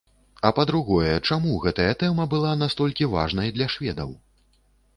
А па-другое, чаму гэтая тэма была настолькі важнай для шведаў?